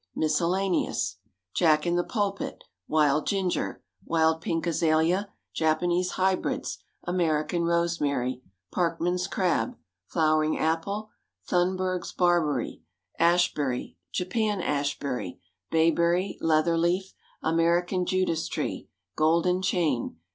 MISCELLANEOUS. Jack in the pulpit. Wild ginger. Wild pink azalea. Japanese hybrids. American rosemary. Parkman's crab. Flowering apple. Thunberg's barberry. Ashberry. Japan ashberry. Bayberry. Leatherleaf. American Judas tree. Golden chain.